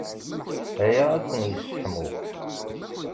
Aya ad ken-yesseḥmu.